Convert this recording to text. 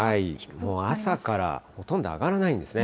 もう朝からほとんど上がらないんですね。